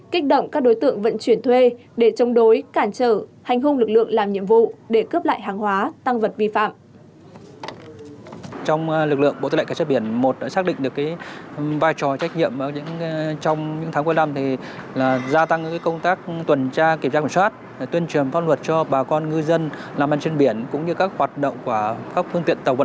kích động các đối tượng vận chuyển thuê để chống đối cản trở hành hung lực lượng làm nhiệm vụ